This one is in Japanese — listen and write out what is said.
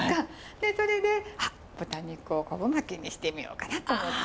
でそれで「あっ豚肉を昆布巻きにしてみようかな」と思って。